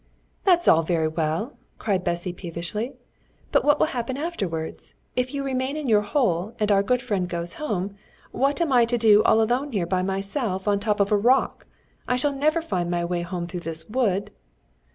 "That's all very well," cried Bessy peevishly, "but what will happen afterwards? If you remain in your hole, and our good friend goes home, what am I to do all alone here by myself on the top of a rock? I shall never find my way home through this wood."